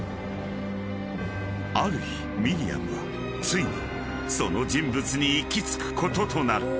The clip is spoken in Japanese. ［ある日ミリアムはついにその人物に行き着くこととなる］